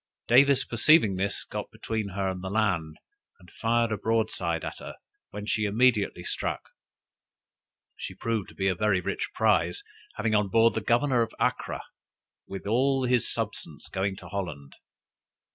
Davis perceiving this, got between her and the land, and fired a broadside at her, when she immediately struck. She proved to be a very rich prize, having on board the Governor of Acra, with all his substance, going to Holland.